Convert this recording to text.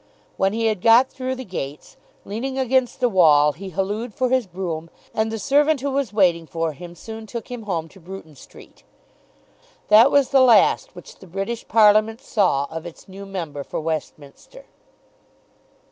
When he had got through the gates, leaning against the wall he hallooed for his brougham, and the servant who was waiting for him soon took him home to Bruton Street. That was the last which the British Parliament saw of its new member for Westminster.